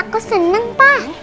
aku seneng pa